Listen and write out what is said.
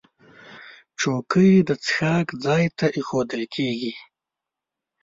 چوکۍ د څښاک ځای ته ایښودل کېږي.